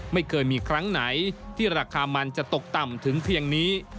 ไม่เคยมีครั้งไหนที่ราคามันจะตกต่ำถึงเพียงนี้